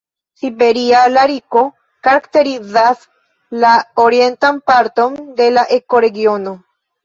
Siberia lariko karakterizas la orientan parton de la ekoregiono.